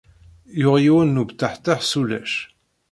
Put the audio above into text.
Yuɣ yiwen n ubeṭṭeḥtaḥ s ulac